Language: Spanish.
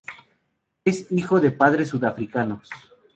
Es hijo de padres sudafricanos.